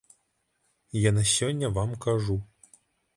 Я на сёння вам кажу.